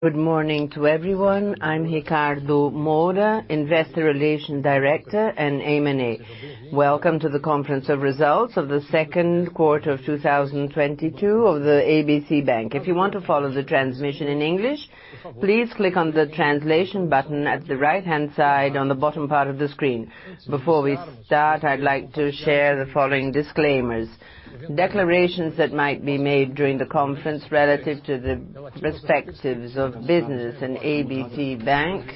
Good morning to everyone. I'm Ricardo Moura, Investor Relations Director and M&A. Welcome to the conference of results of the second quarter of 2022 of ABC Bank. If you want to follow the transmission in English, please click on the translation button at the right-hand side on the bottom part of the screen. Before we start, I'd like to share the following disclaimers. Declarations that might be made during the conference relative to the perspectives of business in ABC Bank,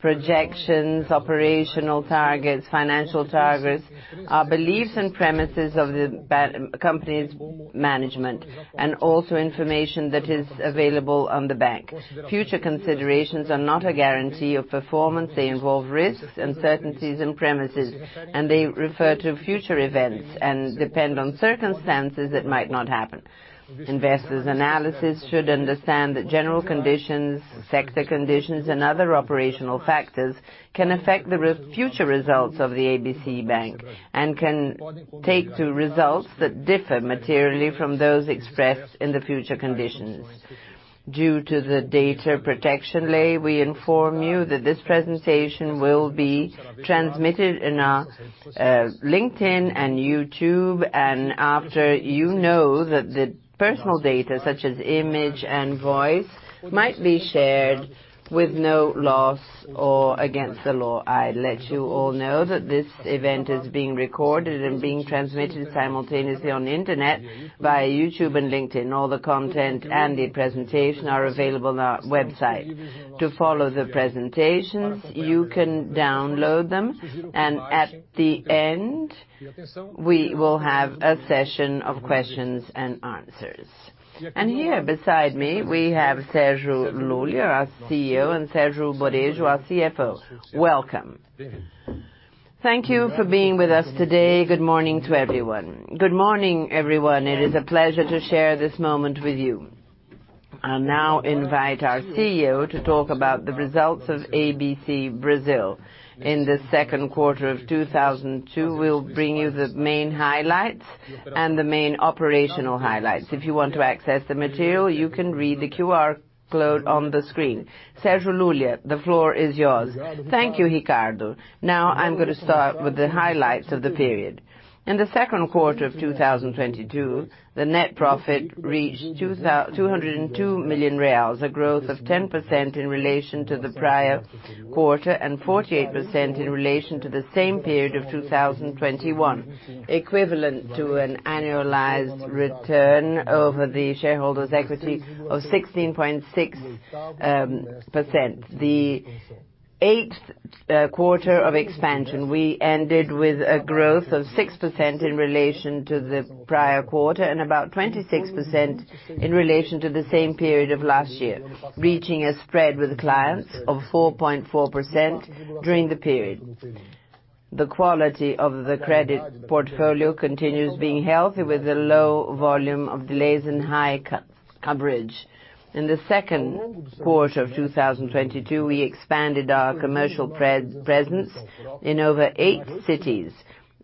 projections, operational targets, financial targets are beliefs and premises of the company's management, and also information that is available on the bank. Future considerations are not a guarantee of performance. They involve risks, uncertainties, and premises, and they refer to future events and depend on circumstances that might not happen. Investors and analysts should understand that general conditions, sector conditions, and other operational factors can affect the future results of ABC Bank, and can lead to results that differ materially from those expressed in the forward-looking statements. Due to the data protection law, we inform you that this presentation will be transmitted live on LinkedIn and YouTube, and we want you to know that the personal data, such as image and voice, might be shared in accordance with the law. I let you all know that this event is being recorded and being transmitted simultaneously on the Internet via YouTube and LinkedIn. All the content and the presentation are available on our website. To follow the presentations, you can download them, and at the end, we will have a session of questions and answers. Here beside me, we have Sérgio Lulia, our CEO, and Sérgio Borejo, our CFO. Welcome. Thank you for being with us today. Good morning to everyone. Good morning, everyone. It is a pleasure to share this moment with you. I'll now invite our CEO to talk about the results of ABC Brasil. In the second quarter of 2022, we'll bring you the main highlights and the main operational highlights. If you want to access the material, you can read the QR code on the screen. Sérgio Lulia, the floor is yours. Thank you, Ricardo. Now, I'm gonna start with the highlights of the period. In the second quarter of 2022, the net profit reached 202 million reais, a growth of 10% in relation to the prior quarter, and 48% in relation to the same period of 2021, equivalent to an annualized return over the shareholders' equity of 16.6%. The eighth quarter of expansion, we ended with a growth of 6% in relation to the prior quarter, and about 26% in relation to the same period of last year, reaching a spread with clients of 4.4% during the period. The quality of the credit portfolio continues being healthy, with a low volume of delays and high coverage. In the second quarter of 2022, we expanded our commercial presence in over eight cities,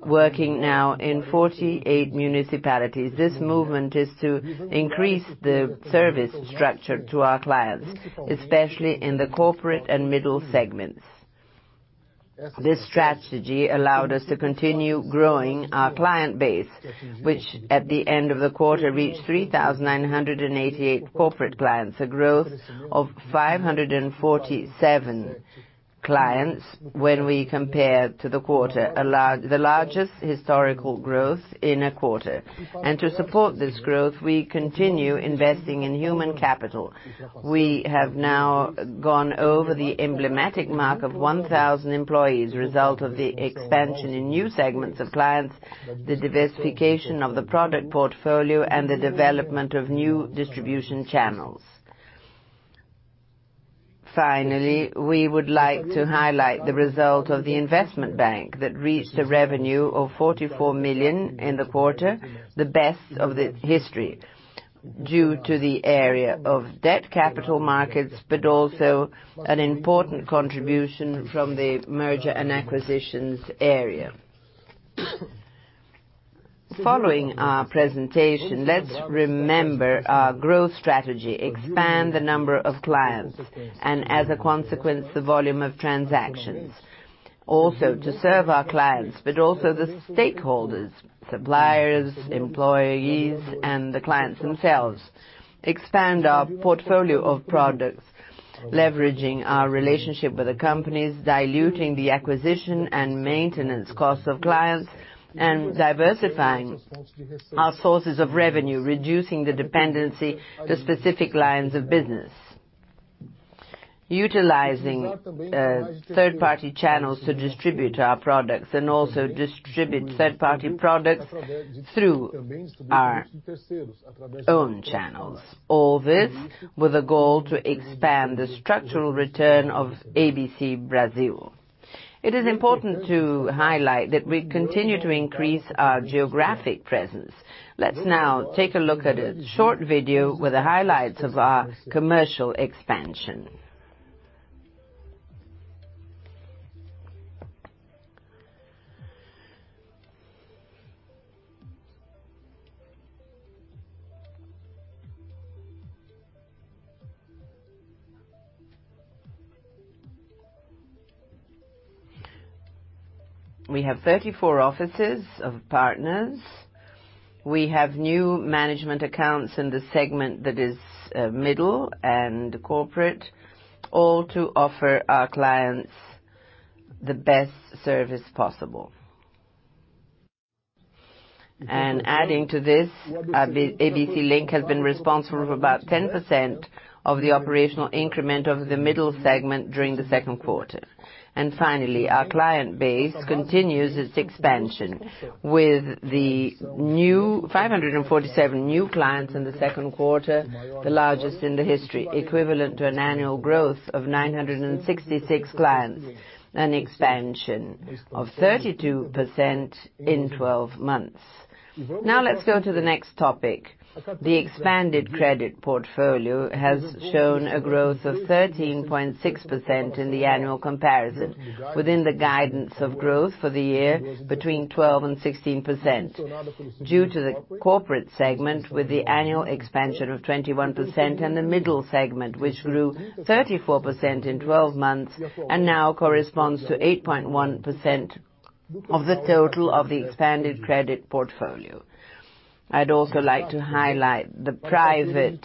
working now in 48 municipalities. This movement is to increase the service structure to our clients, especially in the corporate and middle segments. This strategy allowed us to continue growing our client base, which at the end of the quarter reached 3,988 corporate clients, a growth of 547 clients when we compare to the quarter, the largest historical growth in a quarter. To support this growth, we continue investing in human capital. We have now gone over the emblematic mark of 1,000 employees, result of the expansion in new segments of clients, the diversification of the product portfolio, and the development of new distribution channels. Finally, we would like to highlight the result of the investment bank that reached a revenue of 44 million in the quarter, the best of the history, due to the area of debt capital markets, but also an important contribution from the merger and acquisitions area. Following our presentation, let's remember our growth strategy, expand the number of clients, and as a consequence, the volume of transactions. Also, to serve our clients, but also the stakeholders, suppliers, employees, and the clients themselves. Expand our portfolio of products, leveraging our relationship with the companies, diluting the acquisition and maintenance costs of clients, and diversifying our sources of revenue, reducing the dependency to specific lines of business. Utilizing third-party channels to distribute our products and also distribute third-party products through our own channels. All this with a goal to expand the structural return of ABC Brasil. It is important to highlight that we continue to increase our geographic presence. Let's now take a look at a short video with the highlights of our commercial expansion. We have 34 offices of partners. We have new management accounts in the segment that is, middle and corporate, all to offer our clients the best service possible. Adding to this, ABC Link has been responsible for about 10% of the operational increment of the middle segment during the second quarter. Finally, our client base continues its expansion with 547 new clients in the second quarter, the largest in the history, equivalent to an annual growth of 966 clients, an expansion of 32% in 12 months. Now let's go to the next topic. The expanded credit portfolio has shown a growth of 13.6% in the annual comparison within the guidance of growth for the year between 12% and 16% due to the corporate segment with the annual expansion of 21% and the middle segment, which grew 34% in twelve months and now corresponds to 8.1% of the total of the expanded credit portfolio. I'd also like to highlight the private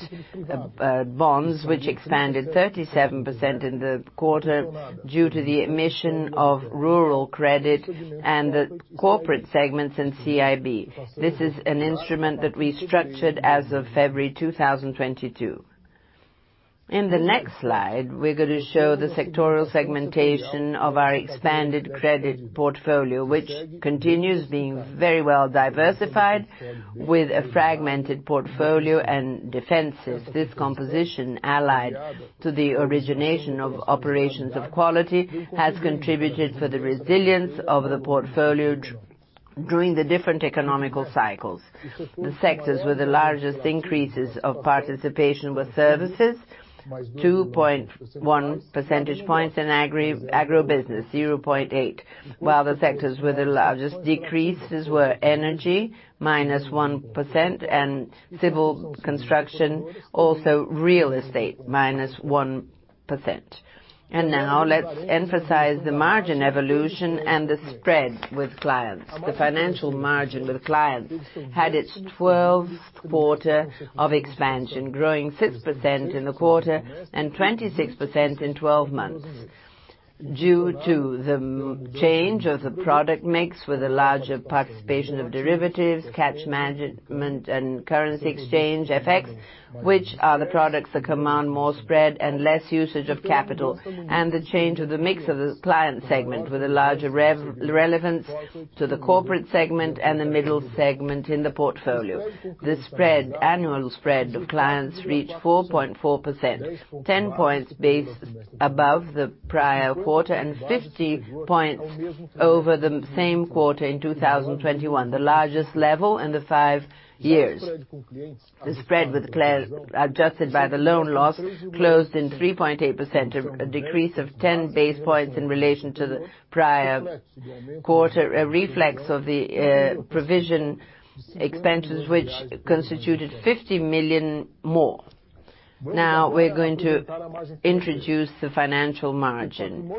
bonds which expanded 37% in the quarter due to the emission of rural credit and the corporate segments in CIB. This is an instrument that we structured as of February 2022. In the next slide, we're gonna show the sectoral segmentation of our expanded credit portfolio, which continues being very well diversified with a fragmented portfolio and debentures. This composition, allied to the origination of operations of quality, has contributed for the resilience of the portfolio during the different economic cycles. The sectors with the largest increases of participation were services, 2.1 percentage points, and agribusiness, 0.8, while the sectors with the largest decreases were energy, -1%, and civil construction, also real estate, -1%. Now let's emphasize the margin evolution and the spread with clients. The financial margin with clients had its twelfth quarter of expansion, growing 6% in the quarter and 26% in 12 months due to the mix change of the product mix with a larger participation of derivatives, cash management and currency exchange effects, which are the products that command more spread and less usage of capital. The change of the mix of the client segment with a larger relevance to the corporate segment and the middle segment in the portfolio. The annual spread of clients reached 4.4%, 10 basis points above the prior quarter and 50 basis points over the same quarter in 2021, the largest level in the five years. The spread with clients, adjusted by the loan loss, closed in 3.8%, a decrease of 10 basis points in relation to the prior quarter, a reflection of the provision expenses, which constituted 50 million more. Now we're going to introduce the financial margin.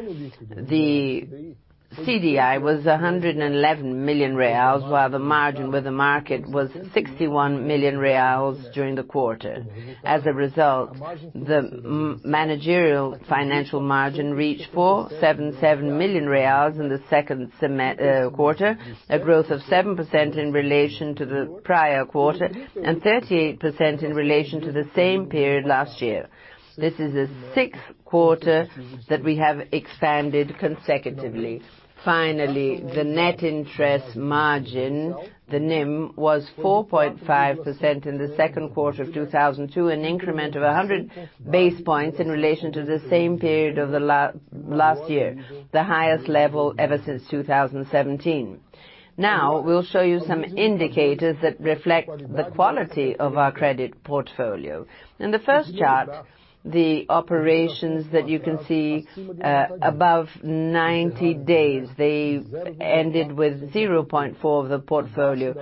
The CDI was 111 million reais, while the margin with the market was 61 million reais during the quarter. As a result, the managerial financial margin reached 477 million reais in the second quarter, a growth of 7% in relation to the prior quarter and 38% in relation to the same period last year. This is the sixth quarter that we have expanded consecutively. Finally, the net interest margin, the NIM, was 4.5% in the second quarter of 2022, an increment of 100 basis points in relation to the same period of the last year, the highest level ever since 2017. Now we'll show you some indicators that reflect the quality of our credit portfolio. In the first chart, the operations that you can see above 90 days, they've ended with 0.4% of the portfolio,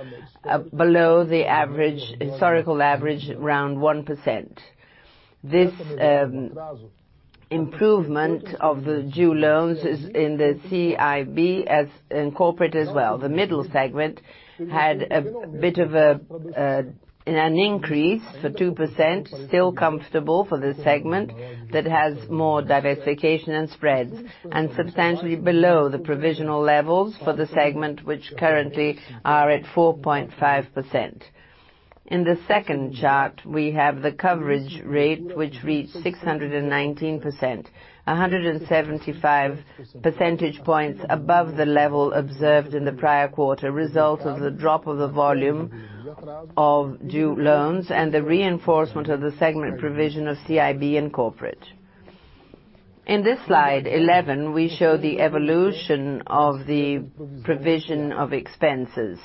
below the average, historical average, around 1%. This improvement of the due loans is in the CIB as in corporate as well. The middle segment had a bit of an increase for 2%, still comfortable for this segment that has more diversification and spreads, and substantially below the provision levels for the segment which currently are at 4.5%. In the second chart, we have the coverage rate, which reached 619%, 175 percentage points above the level observed in the prior quarter, result of the drop of the volume of due loans and the reinforcement of the segment provision of CIB and corporate. In this slide 11, we show the evolution of the provision of expenses.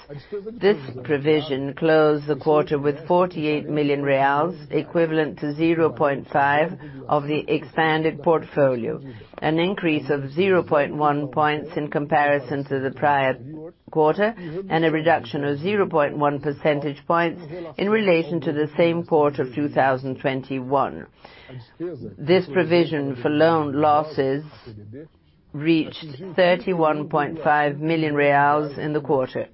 This provision closed the quarter with 48 million reais, equivalent to 0.5 of the expanded portfolio, an increase of 0.1 points in comparison to the prior quarter, and a reduction of 0.1 percentage points in relation to the same quarter of 2021. This provision for loan losses reached 31.5 million reais in the quarter,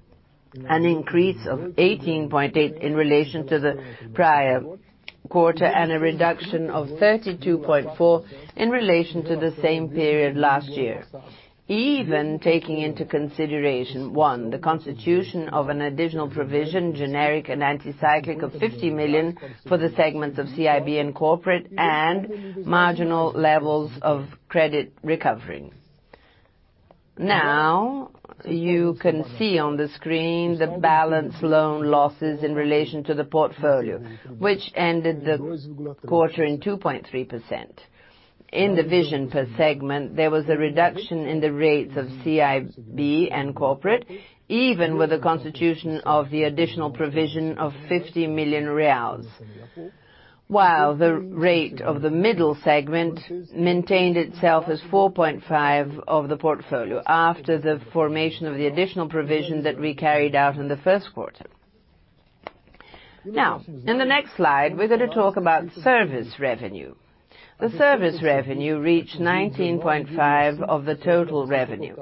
an increase of 18.8% in relation to the prior quarter, and a reduction of 32.4% in relation to the same period last year. Even taking into consideration, one, the constitution of an additional provision, generic and counter-cyclical of 50 million for the segments of CIB and corporate, and marginal levels of credit recovery. Now, you can see on the screen the balance loan losses in relation to the portfolio, which ended the quarter in 2.3%. In the provision per segment, there was a reduction in the rates of CIB and corporate, even with a constitution of the additional provision of 50 million reais. While the rate of the middle segment maintained itself as 4.5% of the portfolio after the formation of the additional provision that we carried out in the first quarter. Now, in the next slide, we're gonna talk about service revenue. The service revenue reached 19.5% of the total revenue.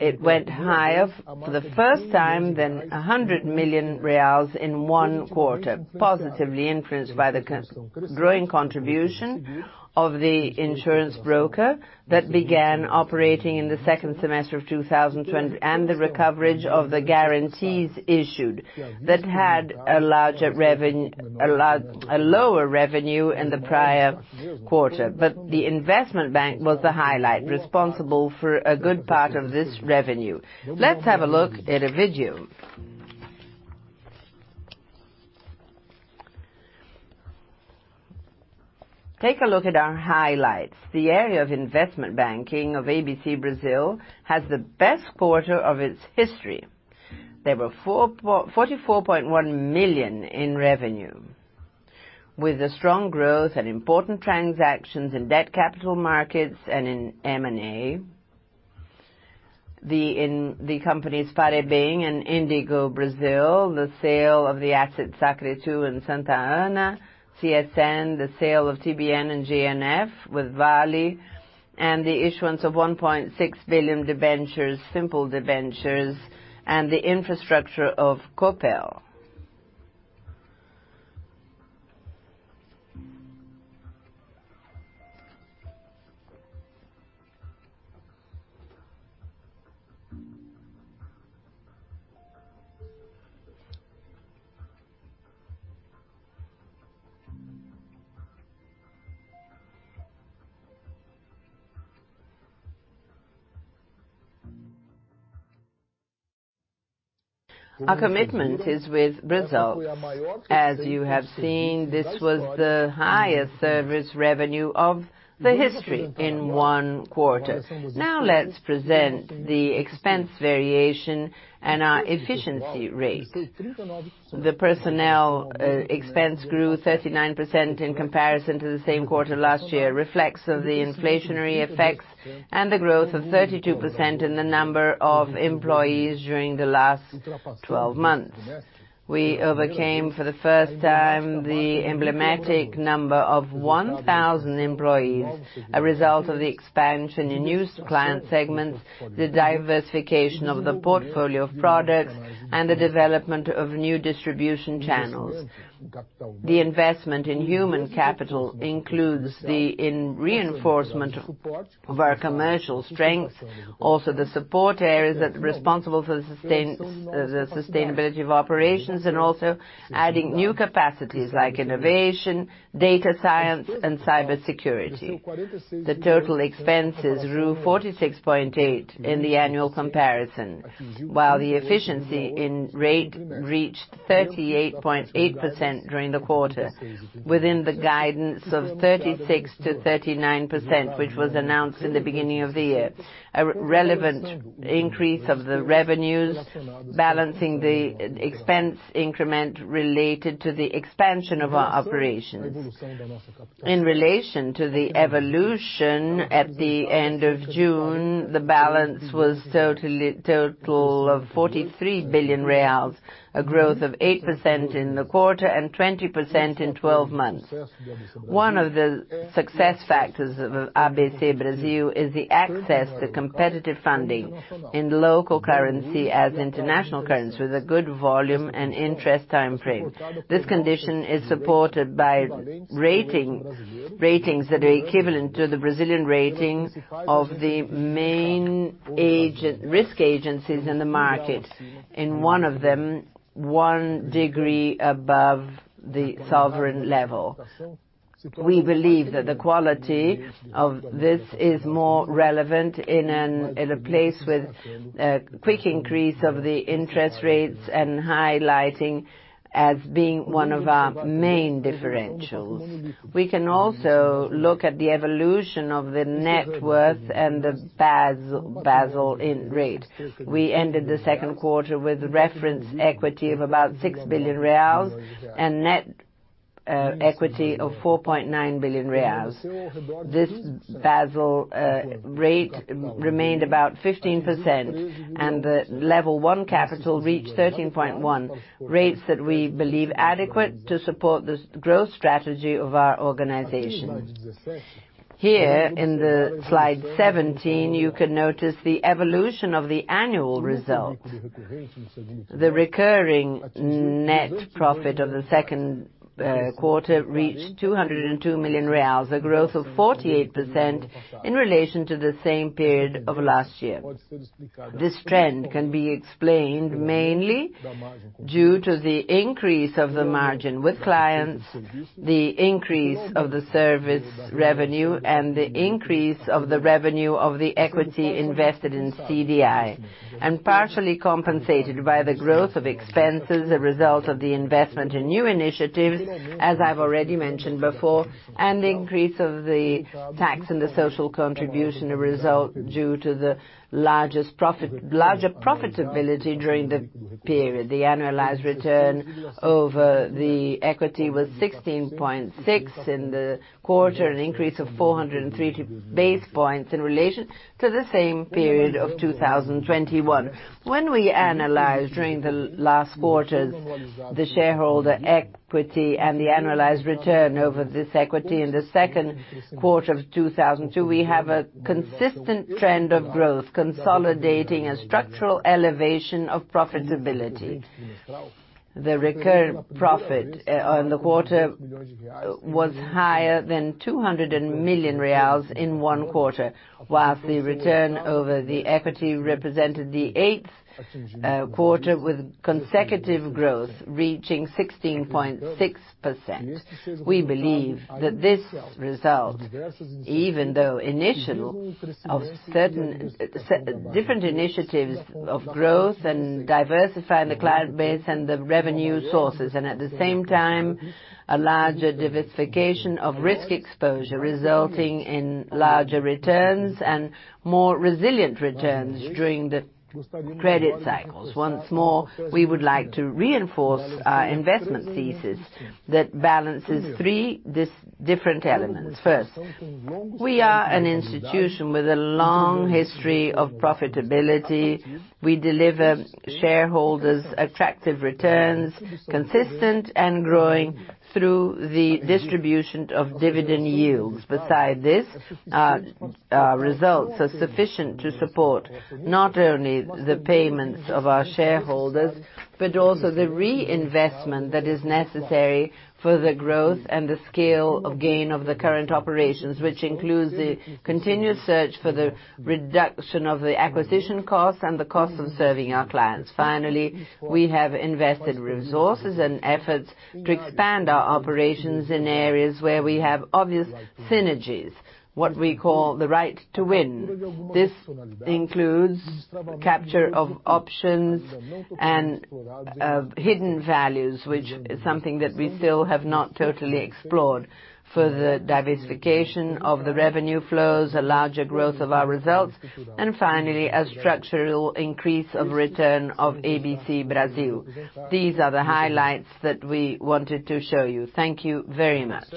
It went higher for the first time than 100 million reais in one quarter, positively influenced by the growing contribution of the insurance broker that began operating in the second semester of 2023 and the recovery of the guarantees issued that had a lower revenue in the prior quarter. The investment bank was the highlight, responsible for a good part of this revenue. Let's have a look at a video. Take a look at our highlights. The area of investment banking of ABC Brasil has the best quarter of its history. There were 44.1 million in revenue. With the strong growth and important transactions in debt capital markets and in M&A, the companies Fareva and Indigo Brasil, the sale of the asset Sacyr II in Santana, CSN, the sale of TBN and GNF with Vale, and the issuance of 1.6 billion debentures, simple debentures, and the infrastructure of Copel. Our commitment is with results. As you have seen, this was the highest service revenue in the history in one quarter. Now, let's present the expense variation and our efficiency rate. The personnel expense grew 39% in comparison to the same quarter last year, reflects of the inflationary effects and the growth of 32% in the number of employees during the last 12 months. We overcame for the first time the emblematic number of 1,000 employees, a result of the expansion in new client segments, the diversification of the portfolio of products, and the development of new distribution channels. The investment in human capital includes in reinforcement of our commercial strength, also the support areas that responsible for the sustainability of operations, and also adding new capacities like innovation, data science, and cybersecurity. The total expenses grew 46.8% in the annual comparison, while the efficiency ratio reached 38.8% during the quarter, within the guidance of 36%-39%, which was announced in the beginning of the year. A relevant increase of the revenues balancing the expense increment related to the expansion of our operations. In relation to the evolution at the end of June, the balance was total of 43 billion reais, a growth of 8% in the quarter and 20% in 12 months. One of the success factors of ABC Brasil is the access to competitive funding in local currency and international currency with a good volume and attractive timeframe. This condition is supported by ratings that are equivalent to the Brazilian ratings of the main rating agencies in the market. In one of them, one degree above the sovereign level. We believe that the quality of this is more relevant in a place with a quick increase of the interest rates and highlighting as being one of our main differentials. We can also look at the evolution of the net worth and the Basel rate. We ended the second quarter with reference equity of about 6 billion reais and net equity of 4.9 billion reais. This Basel rate remained about 15% and the level one capital reached 13.1%, rates that we believe adequate to support the growth strategy of our organization. Here in slide 17, you can notice the evolution of the annual results. The recurring net profit of the second quarter reached 202 million reais, a growth of 48% in relation to the same period of last year. This trend can be explained mainly due to the increase of the margin with clients, the increase of the service revenue, and the increase of the revenue of the equity invested in CDI, and partially compensated by the growth of expenses, the result of the investment in new initiatives, as I've already mentioned before, and the increase of the tax and the social contribution, a result due to the larger profitability during the period. The annualized return over the equity was 16.6% in the quarter, an increase of 403 basis points in relation to the same period of 2021. When we analyzed during the last quarter the shareholder equity and the annualized return over this equity in the second quarter of 2002, we have a consistent trend of growth, consolidating a structural elevation of profitability. The recurring profit on the quarter was higher than 200 million reais in one quarter, while the return over the equity represented the eighth quarter with consecutive growth reaching 16.6%. We believe that this result, even though initial of certain different initiatives of growth and diversifying the client base and the revenue sources, and at the same time, a larger diversification of risk exposure resulting in larger returns and more resilient returns during the credit cycles. Once more, we would like to reinforce our investment thesis that balances three different elements. First, we are an institution with a long history of profitability. We deliver shareholders attractive returns, consistent and growing through the distribution of dividend yields. Besides this, our results are sufficient to support not only the payments of our shareholders, but also the reinvestment that is necessary for the growth and the scale of gain of the current operations, which includes the continuous search for the reduction of the acquisition costs and the cost of serving our clients. Finally, we have invested resources and efforts to expand our operations in areas where we have obvious synergies, what we call the right to win. This includes capture of options and, of hidden values, which is something that we still have not totally explored. For the diversification of the revenue flows, a larger growth of our results, and finally, a structural increase of return of ABC Brasil. These are the highlights that we wanted to show you. Thank you very much.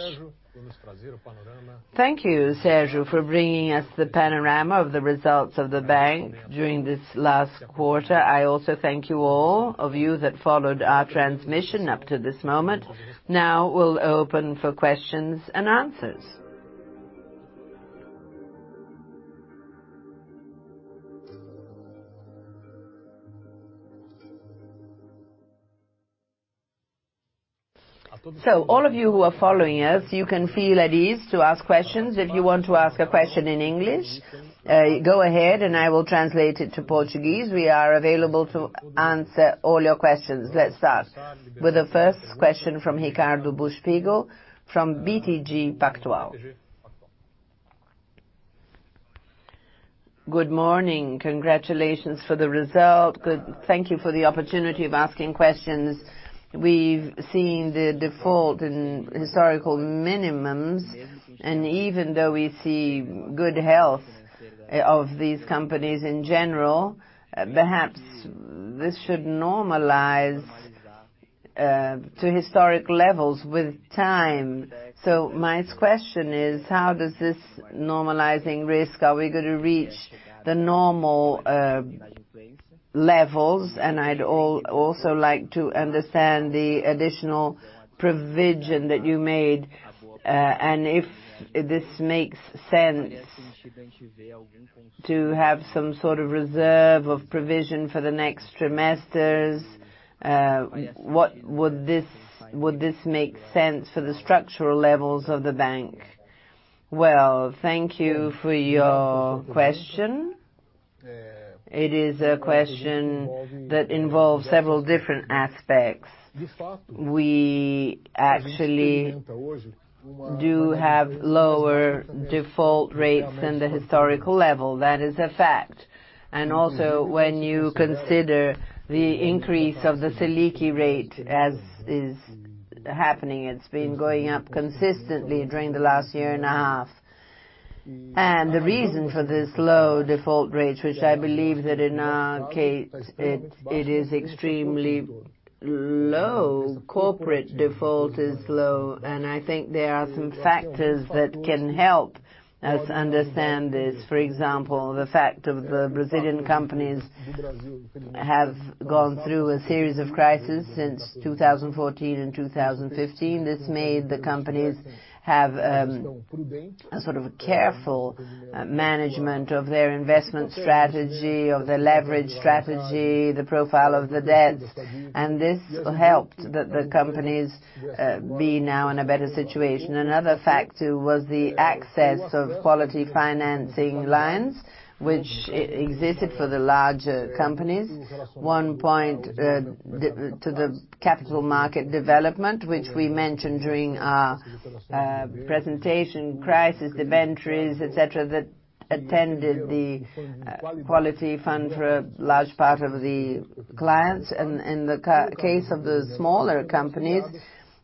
Thank you, Sérgio, for bringing us the panorama of the results of the bank during this last quarter. I also thank all of you that followed our transmission up to this moment. Now we'll open for questions and answers. All of you who are following us, you can feel at ease to ask questions. If you want to ask a question in English, go ahead, and I will translate it to Portuguese. We are available to answer all your questions. Let's start with the first question from Ricardo Buchpiguel from BTG Pactual. Good morning. Congratulations for the result. Thank you for the opportunity of asking questions. We've seen the default in historical minimums, and even though we see good health of these companies in general, perhaps this should normalize to historic levels with time. My question is, how does this normalizing risk are we gonna reach the normal levels? I'd also like to understand the additional provision that you made, and if this makes sense to have some sort of reserve of provision for the next trimesters, what would this make sense for the structural levels of the bank? Well, thank you for your question. It is a question that involves several different aspects. We actually do have lower default rates than the historical level. That is a fact. Also, when you consider the increase of the Selic rate as is happening, it's been going up consistently during the last year and a half. The reason for this low default rates, which I believe that in our case, it is extremely low, corporate default is low. I think there are some factors that can help us understand this. For example, the fact that the Brazilian companies have gone through a series of crises since 2014 and 2015. This made the companies have a sort of careful management of their investment strategy, of their leverage strategy, the profile of the debts, and this helped the companies be now in a better situation. Another factor was the access to quality financing lines which existed for the larger companies. One point to the capital market development, which we mentioned during our presentation, crisis, debentures, et cetera, that attended the quality fund for a large part of the clients. In the case of the smaller companies,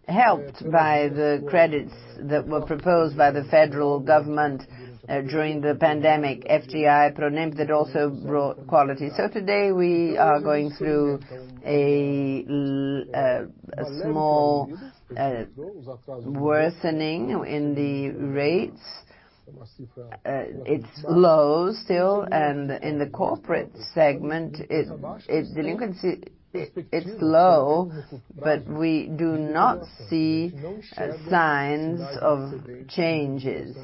helped by the credits that were proposed by the federal government, during the pandemic, FGI, Pronampe, that also brought quality. Today, we are going through a small worsening in the rates. It's low still, and in the corporate segment, it's delinquency, it's low, but we do not see signs of changes.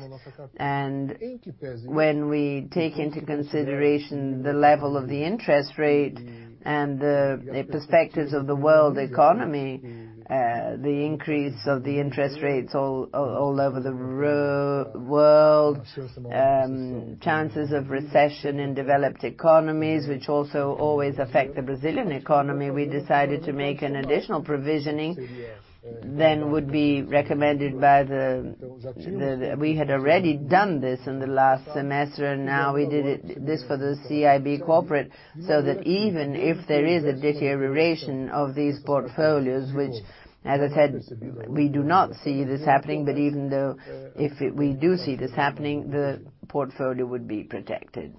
When we take into consideration the level of the interest rate and the perspectives of the world economy, the increase of the interest rates all over the world, chances of recession in developed economies, which also always affect the Brazilian economy, we decided to make an additional provisioning than would be recommended by the. We had already done this in the last semester, and now we did it for the CIB corporate, so that even if there is a deterioration of these portfolios, which as I said, we do not see this happening, but even if we do see this happening, the portfolio would be protected.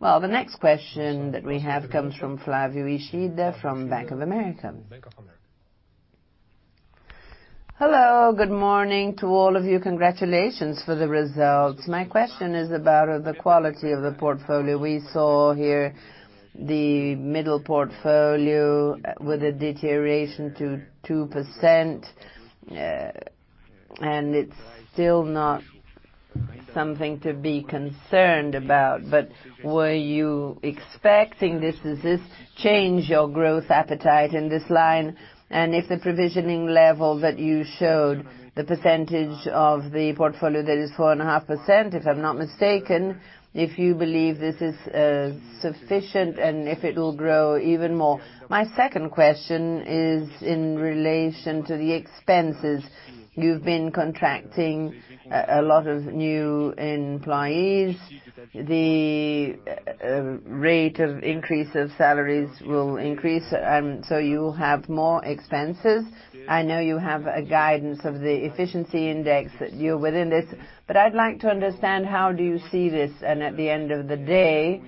Well, the next question that we have comes from Flavio Yoshida from Bank of America. Hello, good morning to all of you. Congratulations for the results. My question is about the quality of the portfolio. We saw here the middle portfolio with a deterioration to 2%. And it's still not something to be concerned about, but were you expecting this? Does this change your growth appetite in this line? If the provisioning level that you showed, the percentage of the portfolio, that is 4.5%, if I'm not mistaken, if you believe this is sufficient and if it will grow even more. My second question is in relation to the expenses. You've been contracting a lot of new employees. The rate of increase of salaries will increase, so you will have more expenses. I know you have a guidance of the efficiency index that you're within this, but I'd like to understand how do you see this. At the end of the day,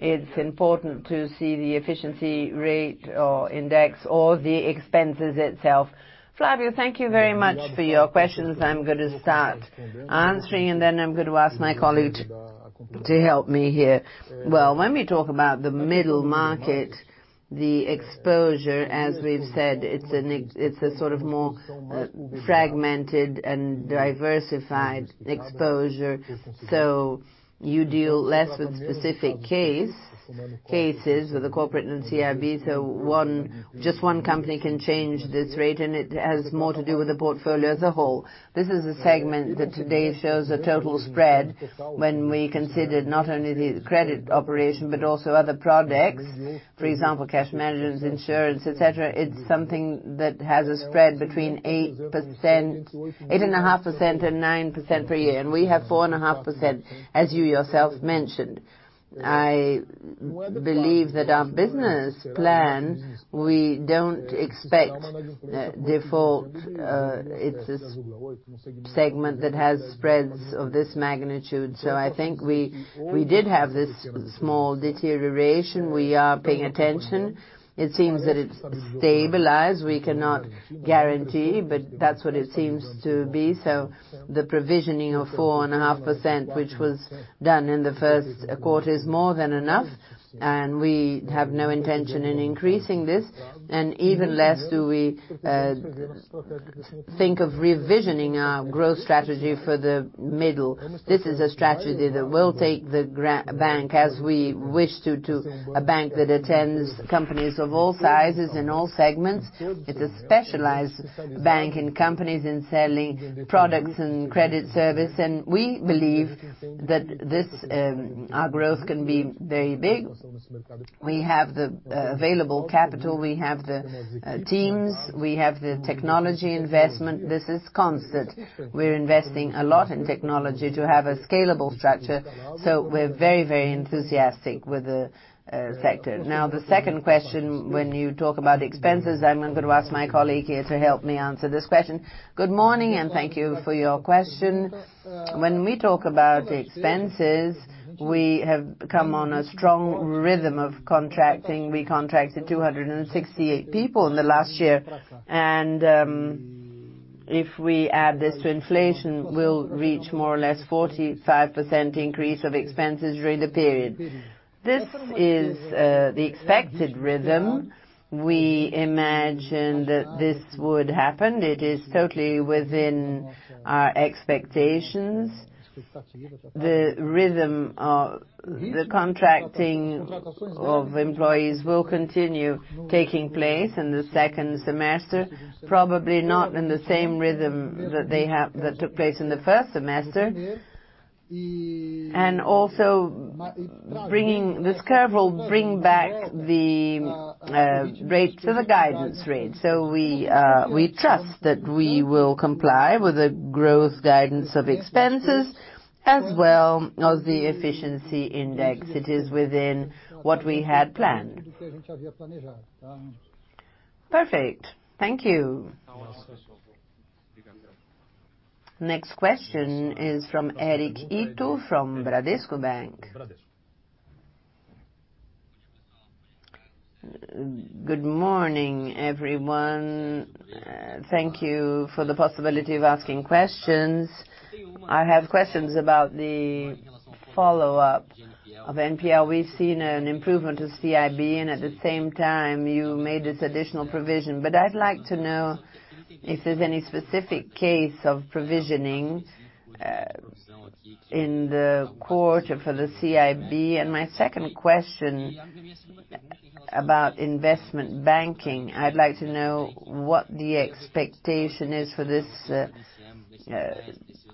it's important to see the efficiency rate or index or the expenses itself. Flavio, thank you very much for your questions. I'm gonna start answering, and then I'm gonna ask my colleague to help me here. Well, when we talk about the middle market, the exposure, as we've said, it's a sort of more fragmented and diversified exposure. You deal less with specific cases with the corporate and CIB, just one company can change this rate, and it has more to do with the portfolio as a whole. This is a segment that today shows a total spread when we consider not only the credit operation but also other products. For example, cash management, insurance, et cetera. It's something that has a spread between 8%, 8.5% and 9% per year, and we have 4.5%, as you yourself mentioned. I believe that our business plan, we don't expect default. It's a segment that has spreads of this magnitude, so I think we did have this small deterioration. We are paying attention. It seems that it's stabilized. We cannot guarantee, but that's what it seems to be. The provisioning of 4.5%, which was done in the first quarter, is more than enough, and we have no intention in increasing this. Even less do we think of revising our growth strategy for the middle. This is a strategy that will take our bank, as we wish to a bank that attends companies of all sizes in all segments. It's a specialized bank in companies and selling products and credit service, and we believe that this, our growth can be very big. We have the available capital. We have the teams. We have the technology investment. This is constant. We're investing a lot in technology to have a scalable structure, so we're very, very enthusiastic with the sector. Now, the second question, when you talk about expenses, I'm going to ask my colleague here to help me answer this question. Good morning, and thank you for your question. When we talk about expenses, we have come on a strong rhythm of contracting. We contracted 268 people in the last year, and if we add this to inflation, we'll reach more or less 45% increase of expenses during the period. This is the expected rhythm. We imagine that this would happen. It is totally within our expectations. The rhythm of the contracting of employees will continue taking place in the second semester, probably not in the same rhythm that took place in the first semester. This curve will bring back the rate to the guidance rate. We trust that we will comply with the growth guidance of expenses as well as the efficiency index. It is within what we had planned. Perfect. Thank you. Next question is from Eric Ito from Bradesco Bank. Good morning, everyone. Thank you for the possibility of asking questions. I have questions about the follow-up of NPL. We've seen an improvement to CIB and at the same time you made this additional provision. I'd like to know if there's any specific case of provisioning in the quarter for the CIB. My second question about investment banking. I'd like to know what the expectation is for this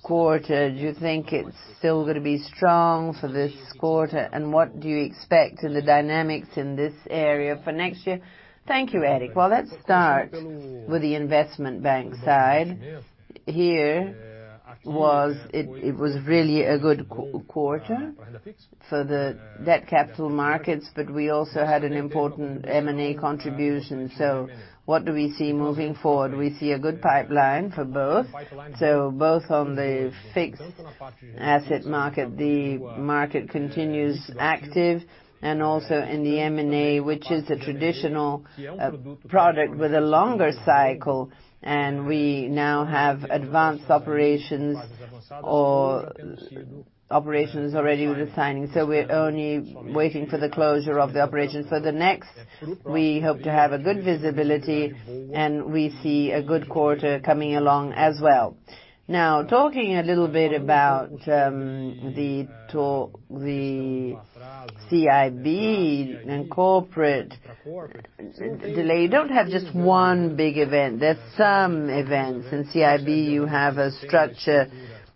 quarter. Do you think it's still gonna be strong for this quarter? What do you expect in the dynamics in this area for next year? Thank you, Eric. Well, let's start with the investment bank side. It was really a good quarter for the debt capital markets, but we also had an important M&A contribution. What do we see moving forward? We see a good pipeline for both. Both on the fixed income market, the market continues active, and also in the M&A, which is a traditional product with a longer cycle. We now have advanced operations or operations already with the signing. We're only waiting for the closure of the operation. The next, we hope to have a good visibility, and we see a good quarter coming along as well. Now, talking a little bit about the CIB and corporate lending. You don't have just one big event. There's some events. In CIB, you have a structure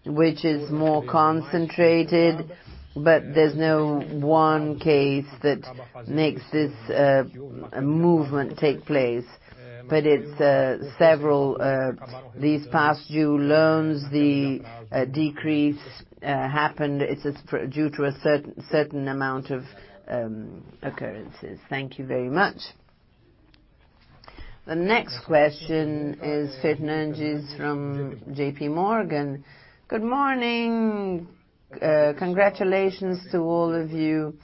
which is more concentrated, but there's no one case that makes this movement take place. But it's several these past due loans, the decrease happened. It's due to a certain amount of occurrences. Thank you very much. The next question is Fernandes from JPMorgan. Good morning. Congratulations to all of you.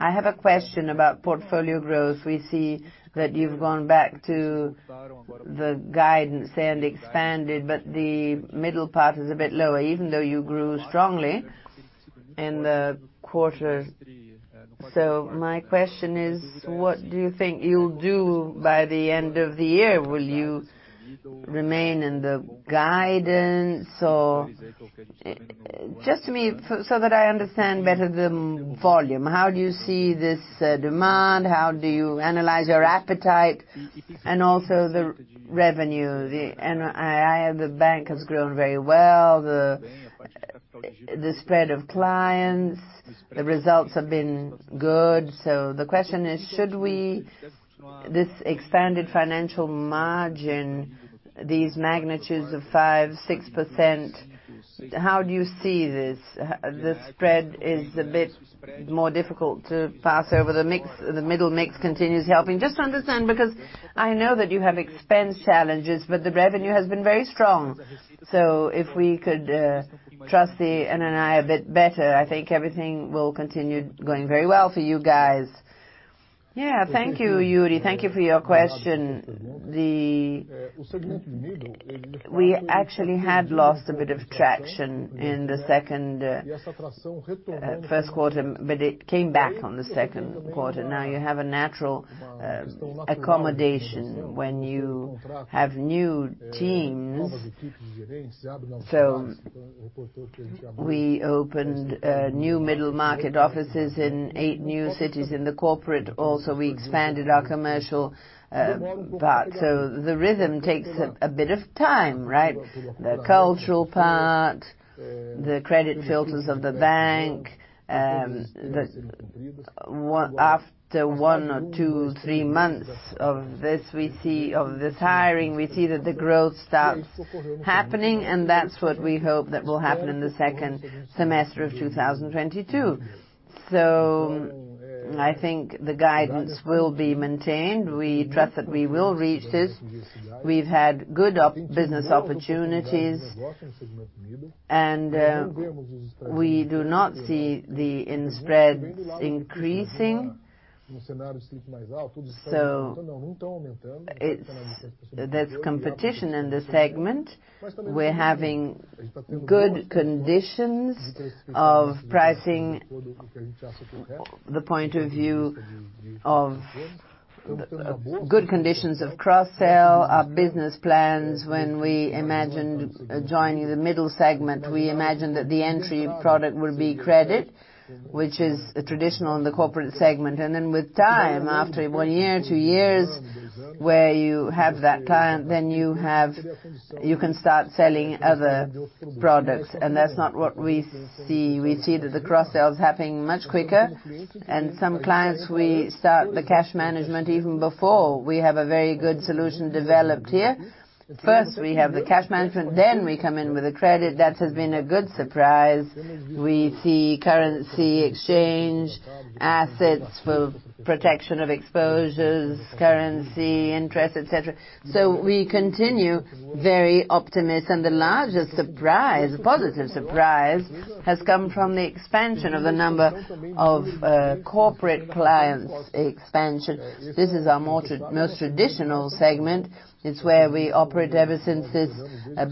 I have a question about portfolio growth. We see that you've gone back to the guidance and expanded, but the middle part is a bit lower, even though you grew strongly in the quarter. My question is, what do you think you'll do by the end of the year? Will you remain in the guidance or just to me, so that I understand better the volume. How do you see this demand? How do you analyze your appetite and also the revenue? The NII of the bank has grown very well. The spread of clients, the results have been good. The question is, this expanded financial margin, these magnitudes of 5%-6%, how do you see this? The spread is a bit more difficult to pass over the mix. The middle mix continues helping. Just to understand, because I know that you have expense challenges, but the revenue has been very strong. If we could trust the NII a bit better, I think everything will continue going very well for you guys. Yeah. Thank you, Yuri. Thank you for your question. We actually had lost a bit of traction in the first quarter, but it came back on the second quarter. Now you have a natural, accommodation when you have new teams. We opened new middle market offices in eight new cities in the corporate. Also, we expanded our commercial, part. The rhythm takes a bit of time, right? The cultural part, the credit filters of the bank. After one or two, three months of this, of this hiring, we see that the growth starts happening, and that's what we hope that will happen in the second semester of 2022. I think the guidance will be maintained. We trust that we will reach this. We've had good business opportunities, and, we do not see the net spreads increasing. There's competition in the segment. We're having good conditions of pricing. The point of view of good conditions of cross-sell. Our business plans, when we imagined joining the middle segment, we imagined that the entry product will be credit, which is traditional in the corporate segment. With time, after one year, two years, where you have that client, then you can start selling other products, and that's not what we see. We see that the cross sell is happening much quicker. Some clients, we start the cash management even before. We have a very good solution developed here. First, we have the cash management, then we come in with the credit. That has been a good surprise. We see currency exchange, assets for protection of exposures, currency interest, et cetera. We continue very optimistic. The largest surprise, a positive surprise, has come from the expansion of the number of corporate clients expansion. This is our most traditional segment. It's where we operate ever since this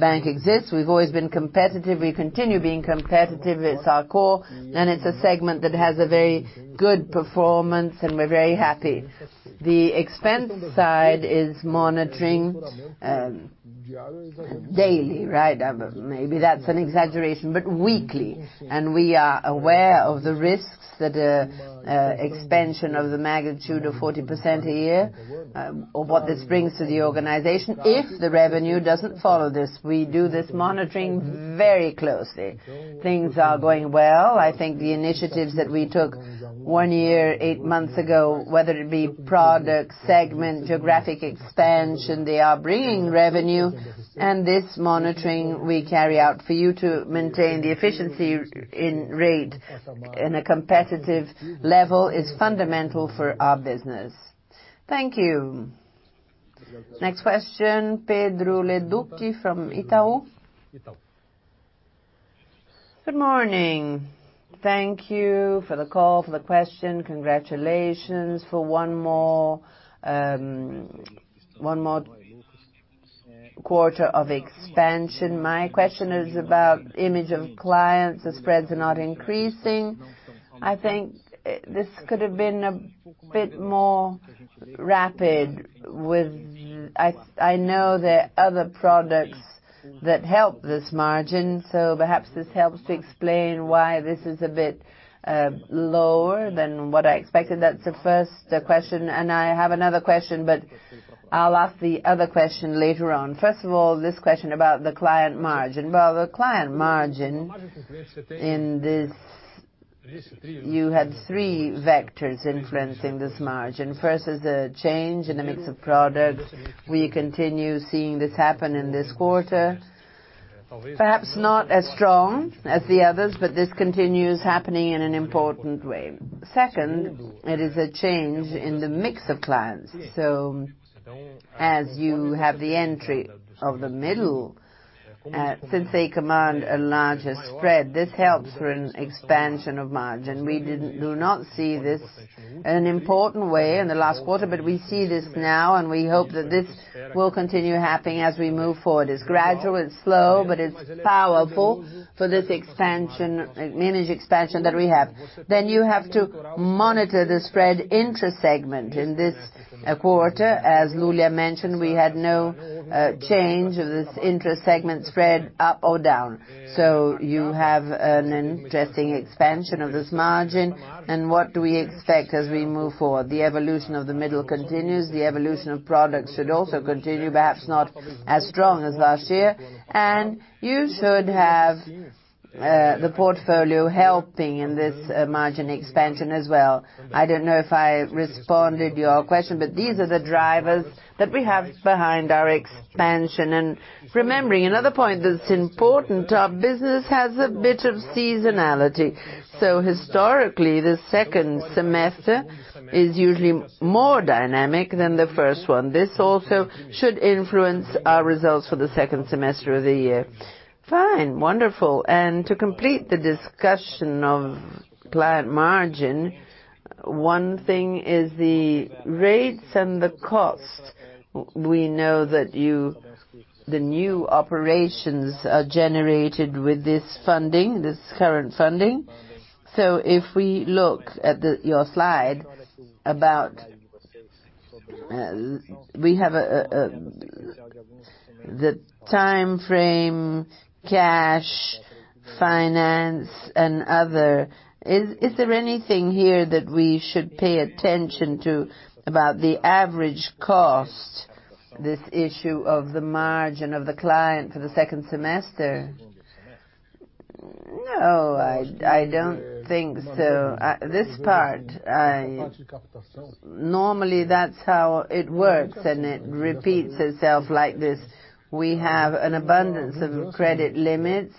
bank exists. We've always been competitive. We continue being competitive. It's our core, and it's a segment that has a very good performance, and we're very happy. The expense side is monitoring daily, right? But maybe that's an exaggeration, but weekly. We are aware of the risks that expansion of the magnitude of 40% a year or what this brings to the organization if the revenue doesn't follow this. We do this monitoring very closely. Things are going well. I think the initiatives that we took one year, eight months ago, whether it be product segment, geographic expansion, they are bringing revenue. This monitoring we carry out for you to maintain the efficiency in rate in a competitive level is fundamental for our business. Thank you. Next question, Pedro Leduc from Itaú. Good morning. Thank you for the call, for the question. Congratulations for one more quarter of expansion. My question is about mix of clients. The spreads are not increasing. I think this could have been a bit more rapid with I know there are other products that help this margin, so perhaps this helps to explain why this is a bit lower than what I expected. That's the first question, and I have another question, but I'll ask the other question later on. First of all, this question about the client margin. Well, the client margin. You had three vectors influencing this margin. First is the change in the mix of products. We continue seeing this happen in this quarter. Perhaps not as strong as the others, but this continues happening in an important way. Second, it is a change in the mix of clients. As you have the entry of the middle, since they command a larger spread, this helps for an expansion of margin. We did not see this an important way in the last quarter, but we see this now, and we hope that this will continue happening as we move forward. It's gradual, it's slow, but it's powerful for this expansion, NIM expansion that we have. You have to monitor the spread interest segment. In this quarter, as Lulia mentioned, we had no change of this interest segment spread up or down. You have an interesting expansion of this margin. What do we expect as we move forward? The evolution of the middle continues. The evolution of products should also continue, perhaps not as strong as last year. You should have the portfolio helping in this margin expansion as well. I don't know if I responded your question, but these are the drivers that we have behind our expansion. Remembering another point that's important, our business has a bit of seasonality. Historically, the second semester is usually more dynamic than the first one. This also should influence our results for the second semester of the year. Fine. Wonderful. To complete the discussion of client margin, one thing is the rates and the costs. We know that the new operations are generated with this funding, this current funding. If we look at your slide about, we have a. The timeframe, cash, finance, and other—is there anything here that we should pay attention to about the average cost, this issue of the margin of the client for the second semester? No, I don't think so. This part, normally that's how it works, and it repeats itself like this. We have an abundance of credit limits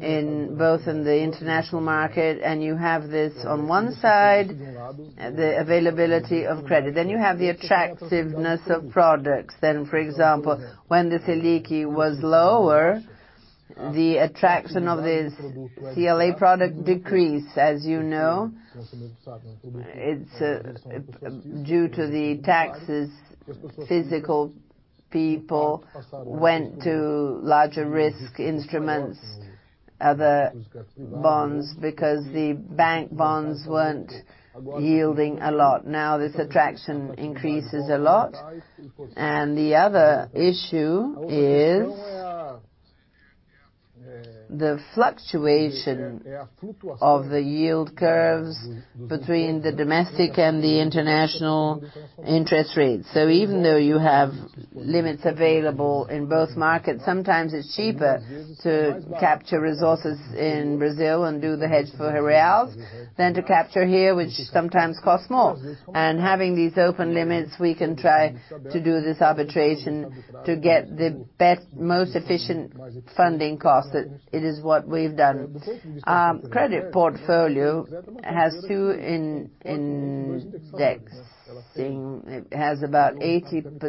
in both the international market, and you have this on one side, the availability of credit. You have the attractiveness of products. For example, when the Selic was lower, the attraction of this LCA product decreased, as you know. It's due to the taxes, physical persons went to higher risk instruments, other bonds, because the bank bonds weren't yielding a lot. Now this attraction increases a lot. The other issue is the fluctuation of the yield curves between the domestic and the international interest rates. Even though you have limits available in both markets, sometimes it's cheaper to capture resources in Brazil and do the hedge for reals than to capture here, which sometimes costs more. Having these open limits, we can try to do this arbitration to get the most efficient funding cost. It is what we've done. Credit portfolio has two in indexing. It has about 80%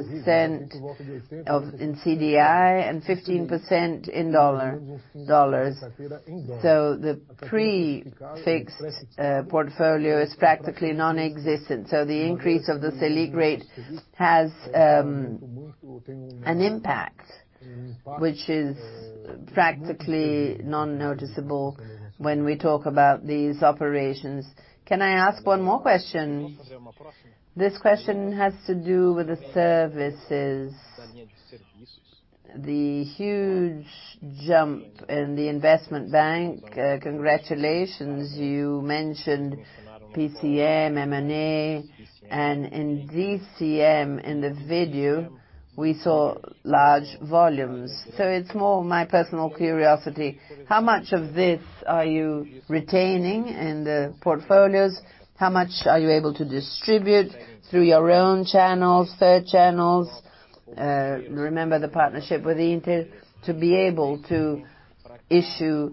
in CDI and 15% in dollars. The fixed portfolio is practically nonexistent. The increase of the Selic rate has an impact which is practically not noticeable when we talk about these operations. Can I ask one more question? Yes. This question has to do with the services, the huge jump in the investment bank. Congratulations. You mentioned PCM, M&A, and in DCM in the video, we saw large volumes. It's more my personal curiosity. How much of this are you retaining in the portfolios? How much are you able to distribute through your own channels, third channels? Remember the partnership with Inter to be able to issue.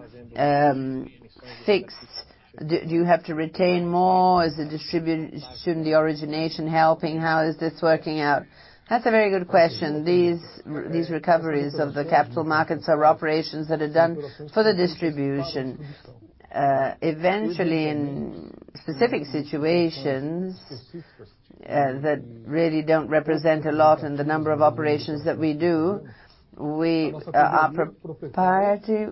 Do you have to retain more? Is the distribution, the origination helping? How is this working out? That's a very good question. These recoveries of the capital markets are operations that are done for the distribution. Eventually in specific situations that really don't represent a lot in the number of operations that we do, proprietary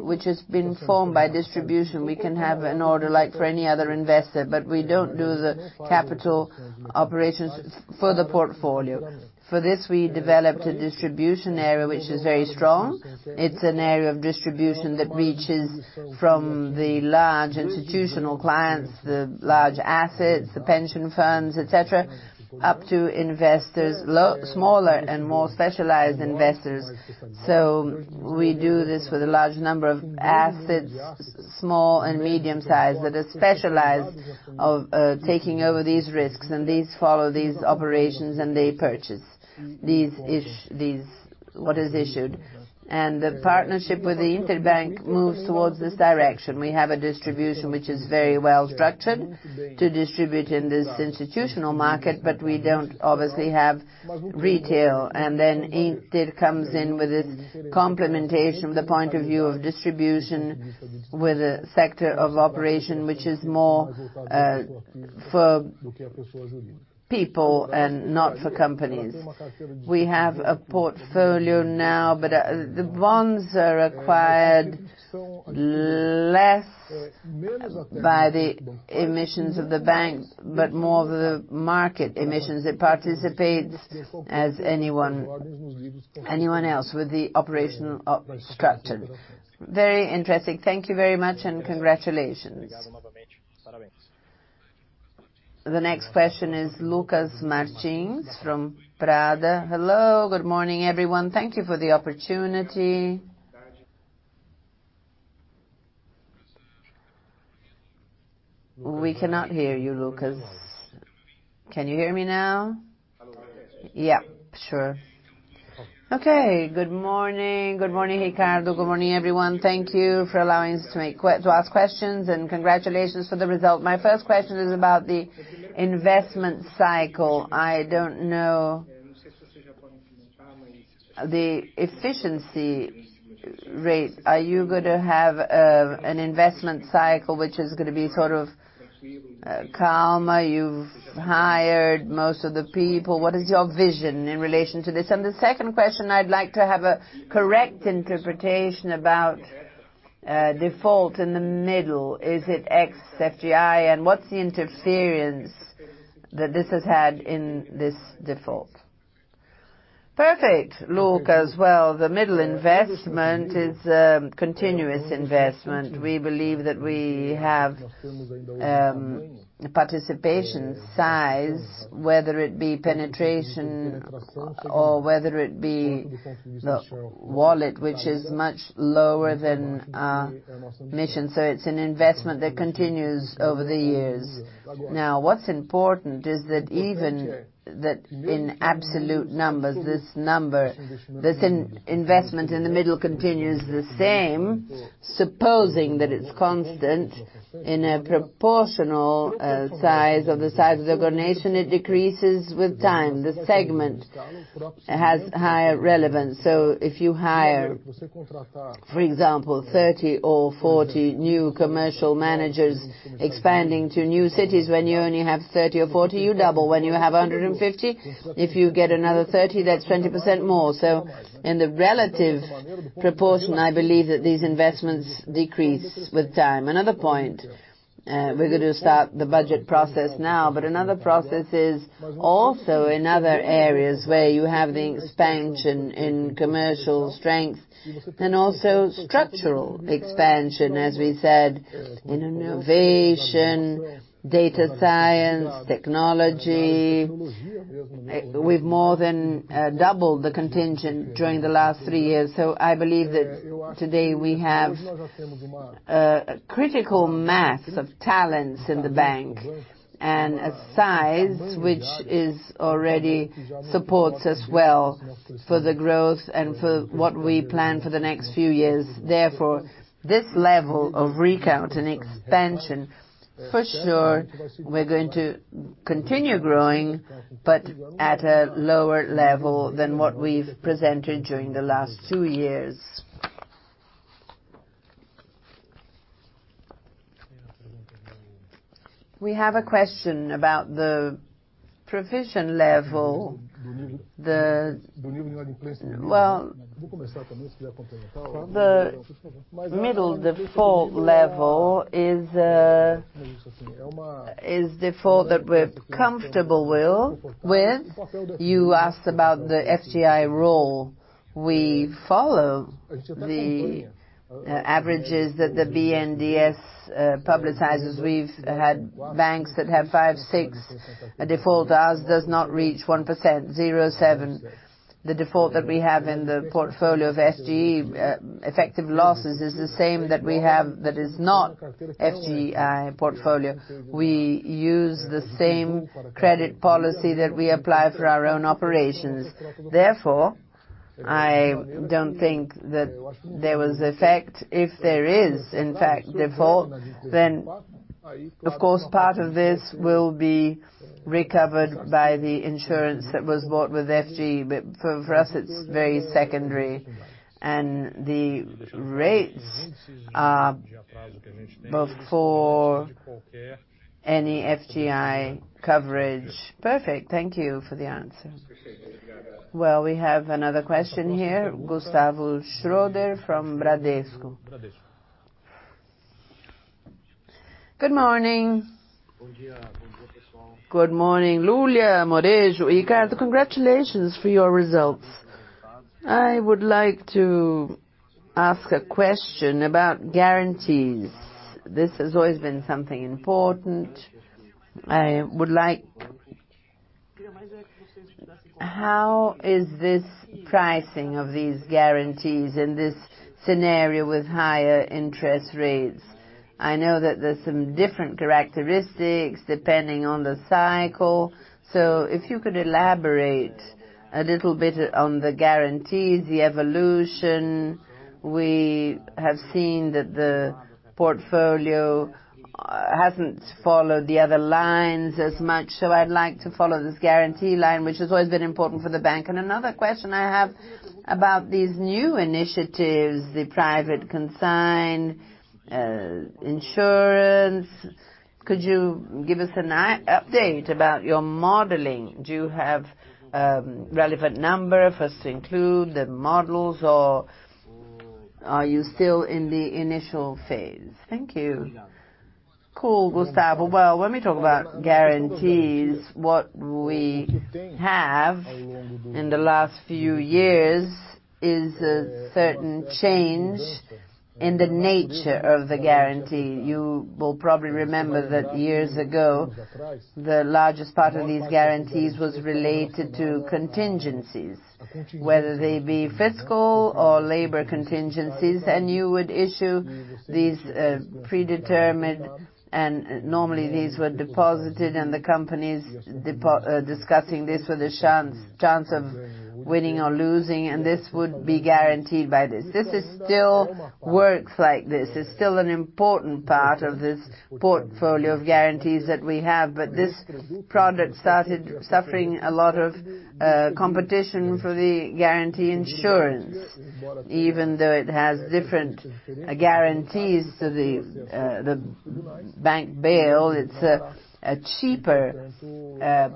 which has been formed by distribution, we can have an order like for any other investor, but we don't do the capital operations for the portfolio. For this, we developed a distribution area which is very strong. It's an area of distribution that reaches from the large institutional clients, the large assets, the pension funds, et cetera, up to investors smaller and more specialized investors. We do this with a large number of assets, small and medium-sized, that are specialized of taking over these risks, and these follow these operations and they purchase these, what is issued. The partnership with the Inter moves towards this direction. We have a distribution which is very well structured to distribute in this institutional market, but we don't obviously have retail. Inter comes in with its complementation from the point of view of distribution with a sector of operation which is more, for people and not for companies. We have a portfolio now, but the bonds are acquired less by the issuances of the banks, but more the market issuances. It participates as anyone else with the operational structured. Very interesting. Thank you very much and congratulations. The next question is Lucas Marquiori from BTG Pactual. Hello, good morning, everyone. Thank you for the opportunity. We cannot hear you, Lucas. Can you hear me now? Yeah, sure. Okay. Good morning. Good morning, Ricardo. Good morning, everyone. Thank you for allowing us to ask questions, and congratulations for the result. My first question is about the investment cycle. I don't know the efficiency rate. Are you gonna have an investment cycle which is gonna be sort of calm? You've hired most of the people. What is your vision in relation to this? The second question, I'd like to have a correct interpretation about default in the middle. Is it ex-FGI? And what's the interference that this has had in this default? Perfect. Lucas, well, the middle investment is continuous investment. We believe that we have the participation size, whether it be penetration or whether it be the wallet, which is much lower than our competition. It's an investment that continues over the years. Now, what's important is that even that in absolute numbers, this investment in the middle continues the same, supposing that it's constant in a proportional size of the operation, it decreases with time. The segment has higher relevance. If you hire, for example, 30 or 40 new commercial managers expanding to new cities, when you only have 30 or 40, you double. When you have 150, if you get another 30, that's 20% more. In the relative proportion, I believe that these investments decrease with time. Another point, we're gonna start the budget process now, but another process is also in other areas where you have the expansion in commercial strength and also structural expansion, as we said, in innovation, data science, technology. We've more than doubled the contingent during the last three years. I believe that today we have a critical mass of talents in the bank and a size which is already supports as well for the growth and for what we plan for the next few years. Therefore, this level of recruitment and expansion, for sure, we're going to continue growing, but at a lower level than what we've presented during the last two years. We have a question about the provision level. The middle default level is default that we're comfortable with. You asked about the FGI role. We follow the averages that the BNDES publicizes. We've had banks that have 5, 6% default. Ours does not reach 1%, 0.7%. The default that we have in the portfolio of FGI effective losses is the same that we have that is not FGI portfolio. We use the same credit policy that we apply for our own operations. Therefore, I don't think that there was effect. If there is, in fact, default, then of course, part of this will be recovered by the insurance that was bought with FGI. But for us, it's very secondary. The rates are before any FGI coverage. Perfect. Thank you for the answer. Well, we have another question here, Gustavo Schroeder from Bradesco. Good morning. Good morning, Lulia, Borejo, Ricardo. Congratulations for your results. I would like to ask a question about guarantees. This has always been something important. How is this pricing of these guarantees in this scenario with higher interest rates? I know that there's some different characteristics depending on the cycle. If you could elaborate a little bit on the guarantees, the evolution. We have seen that the portfolio hasn't followed the other lines as much. I'd like to follow this guarantee line, which has always been important for the bank. Another question I have about these new initiatives, the private consign, insurance. Could you give us an update about your modeling? Do you have relevant number for us to include the models, or are you still in the initial phase? Thank you. Cool, Gustavo. Well, when we talk about guarantees, what we have in the last few years is a certain change in the nature of the guarantee. You will probably remember that years ago, the largest part of these guarantees was related to contingencies, whether they be fiscal or labor contingencies, and you would issue these, predetermined. Normally, these were deposited, and the companies discussing this with a chance of winning or losing, and this would be guaranteed by this. This is still works like this. It's still an important part of this portfolio of guarantees that we have, but this product started suffering a lot of competition for the guarantee insurance, even though it has different guarantees to the bank bail. It's a cheaper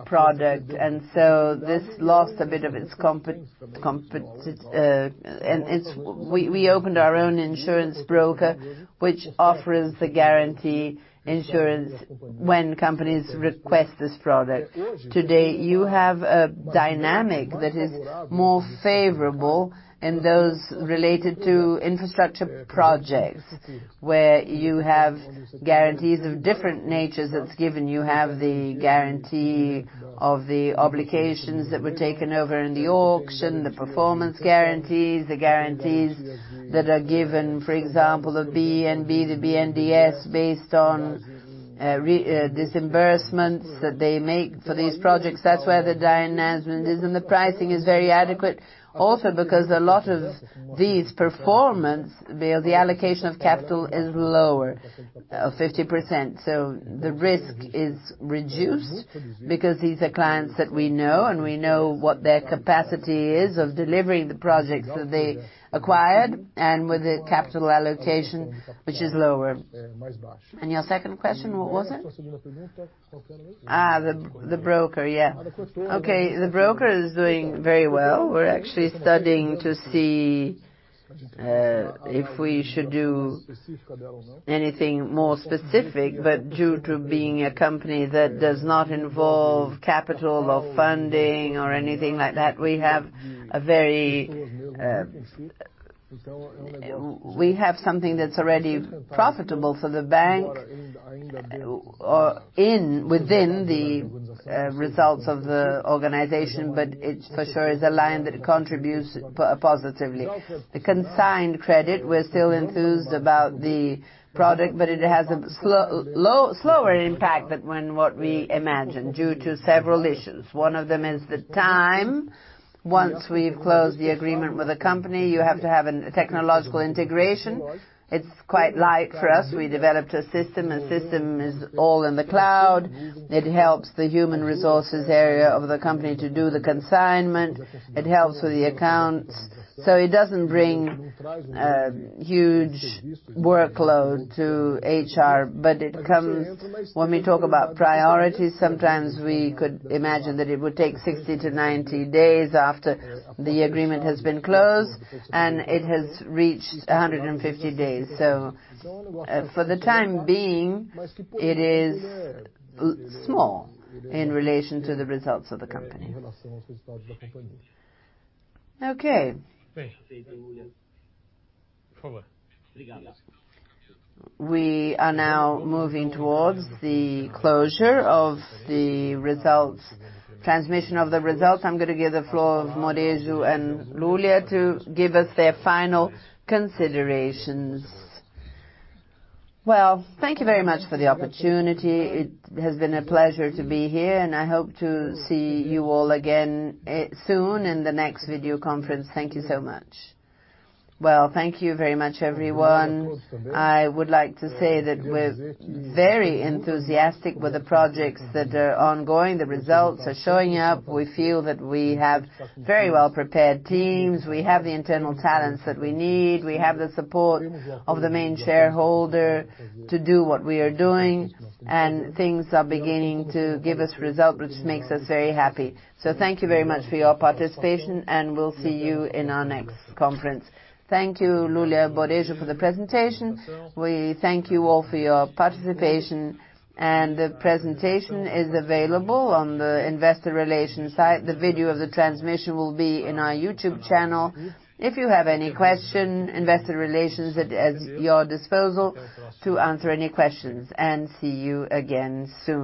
product. This lost a bit of its competitive and we opened our own insurance broker, which offers the guarantee insurance when companies request this product. Today, you have a dynamic that is more favorable in those related to infrastructure projects, where you have guarantees of different natures that's given. You have the guarantee of the obligations that were taken over in the auction, the performance guarantees, the guarantees that are given, for example, the bid bond, the BNDES based on these disbursements that they make for these projects, that's where the fine management is, and the pricing is very adequate. Also, because a lot of these performance the allocation of capital is lower, 50%. The risk is reduced because these are clients that we know, and we know what their capacity is of delivering the projects that they acquired and with the capital allocation, which is lower. Your second question, what was it? The broker, yeah. Okay, the broker is doing very well. We're actually studying to see if we should do anything more specific, but due to being a company that does not involve capital or funding or anything like that, we have a very. We have something that's already profitable for the bank or within the results of the organization, but it for sure is a line that contributes positively. The consigned credit, we're still enthused about the product, but it has a slower impact than what we imagined due to several issues. One of them is the time. Once we've closed the agreement with a company, you have to have a technological integration. It's quite light for us. We developed a system. The system is all in the cloud. It helps the human resources area of the company to do the consignment. It helps with the accounts. So it doesn't bring huge workload to HR, but it comes when we talk about priorities. Sometimes we could imagine that it would take 60-90 days after the agreement has been closed, and it has reached 150 days. For the time being, it is small in relation to the results of the company. Okay. We are now moving towards the closure of the results, transmission of the results. I'm gonna give the floor to Borejo and Lulia to give us their final considerations. Well, thank you very much for the opportunity. It has been a pleasure to be here, and I hope to see you all again, soon in the next video conference. Thank you so much. Well, thank you very much, everyone. I would like to say that we're very enthusiastic with the projects that are ongoing. The results are showing up. We feel that we have very well-prepared teams. We have the internal talents that we need. We have the support of the main shareholder to do what we are doing, and things are beginning to give us result, which makes us very happy. Thank you very much for your participation, and we'll see you in our next conference. Thank you, Lulia and Borejo for the presentation. We thank you all for your participation and the presentation is available on the Investor Relations site. The video of the transmission will be in our YouTube channel. If you have any questions, Investor Relations is at your disposal to answer any questions. See you again soon.